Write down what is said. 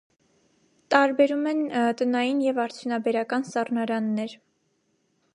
Տարբերում են տնային և արդյունաբերական սառնարաններ։